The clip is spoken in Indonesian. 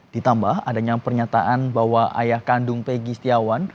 ditambah adanya pernyataan bahwa ayah kandung pegi setiawan